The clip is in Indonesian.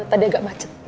tadi agak macet